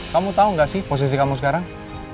kamu tau gak sih posisi kamu sekarang